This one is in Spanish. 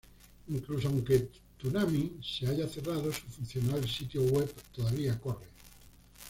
Incluso aunque Toonami se haya cerrado, su funcional sitio web todavía corre.